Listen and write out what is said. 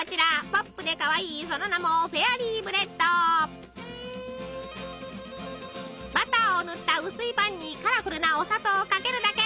ポップでかわいいその名もバターを塗った薄いパンにカラフルなお砂糖をかけるだけ。